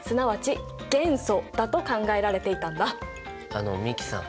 あの美樹さん